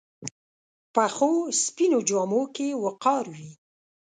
پخو سپینو جامو کې وقار وي